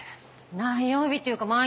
何曜日っていうか毎日。